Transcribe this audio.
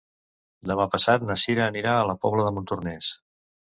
Demà passat na Cira anirà a la Pobla de Montornès.